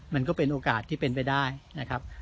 มันก็เป็นโอกาสที่เป็นไปได้นะครับ